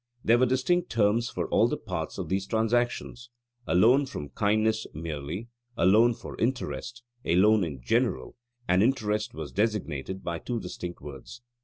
There were distinct terms for all the parts of these transactions a loan for kindness merely, a loan for interest, a loan in general: and interest was designated by two distinct words.